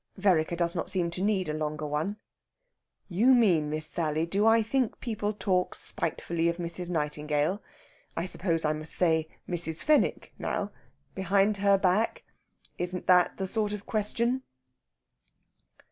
Vereker does not seem to need a longer one. "You mean, Miss Sally, do I think people talk spitefully of Mrs. Nightingale I suppose I must say Mrs. Fenwick now behind her back? Isn't that the sort of question?"